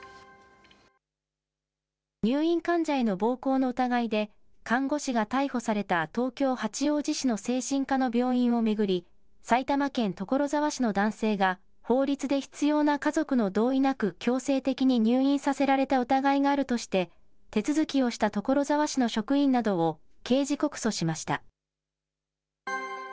入院患者への暴行の疑いで、看護師が逮捕された東京・八王子市の精神科の病院を巡り、埼玉県所沢市の男性が、法律で必要な家族の同意なく強制的に入院させられた疑いがあるとして、手続きをした所沢市の職員などを刑事告訴しました。